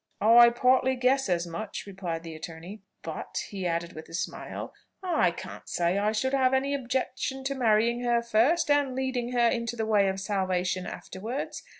"I partly guess as much," replied the attorney. "But," he added with a smile, "I can't say I should have any objection to marrying her first, and leading her into the way of salvation afterwards.